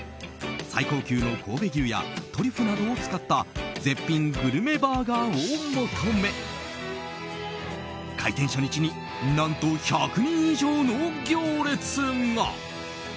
最高級の神戸牛やトリュフなどを使った絶品グルメバーガーを求め開店初日に何と１００人以上の行列が。